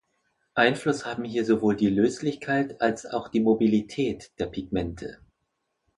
Einfluss haben hier sowohl die Löslichkeit als auch die Mobilität der Pigmente.